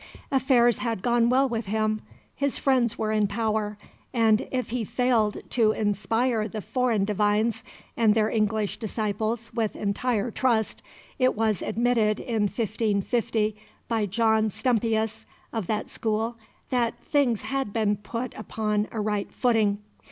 Affairs had gone well with him; his friends were in power; and, if he failed to inspire the foreign divines and their English disciples with entire trust, it was admitted in 1550 by John Stumpius, of that school, that things had been put upon a right footing.